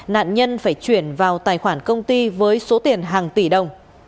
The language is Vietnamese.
nạn nhân phải chuyển vào tài khoản công ty với số tiền hàng tỷ đồng